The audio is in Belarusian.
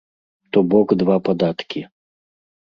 То бок два падаткі.